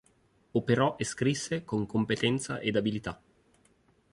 Operò e scrisse con competenza ed abilità.